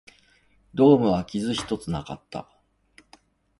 ドームは傷一つなかった